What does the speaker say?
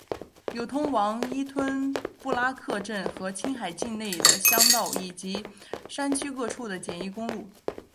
有通往依吞布拉克镇和青海境内的乡道以及山区各处的简易公路。